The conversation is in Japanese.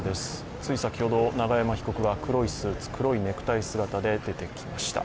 つい先ほど永山被告が黒いスーツ、黒いネクタイ姿で出てきました。